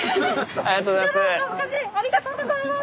ありがとうございます！